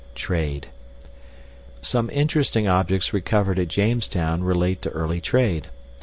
Trade Some interesting objects recovered at Jamestown relate to early trade.